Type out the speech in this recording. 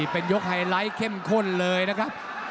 เป็นยกไฮไลท์เข้มข้นเลยนะครับ